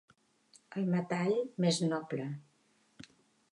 El metall més noble.